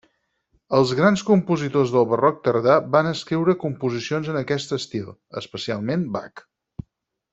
Els grans compositors del barroc tardà van escriure composicions en aquest estil, especialment Bach.